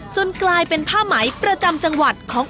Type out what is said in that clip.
กลายเป็นผ้าไหมประจำจังหวัดของ